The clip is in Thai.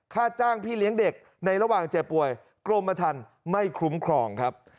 ค่าจ้างพี่เลี้ยงเด็กในระหว่างเจ็บป่วยกรมธรรมไม่คุ้มครองครับ